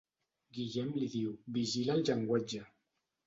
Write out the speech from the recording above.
Guillem li diu, vigila el llenguatge!